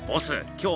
今日